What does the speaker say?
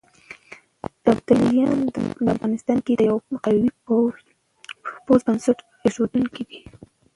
ابداليان په افغانستان کې د يوه قوي پوځ بنسټ اېښودونکي دي.